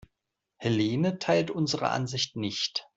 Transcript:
Helene teilt unsere Ansicht nicht.